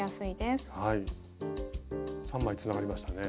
３枚つながりましたね。